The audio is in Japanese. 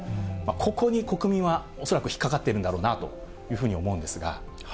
ここに国民は恐らく引っ掛かってるんだろうなと思うんですが。